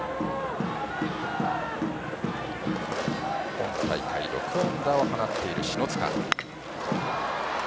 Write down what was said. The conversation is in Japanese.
今大会６安打を放っている篠塚。